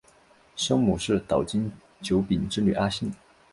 生母是岛津久丙之女阿幸。